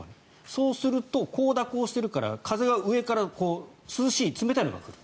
そうすると、こう蛇行してるから風が上から涼しい、冷たいのが来る。